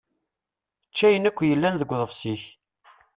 Ečč ayen akk i yellan deg uḍebsi-k.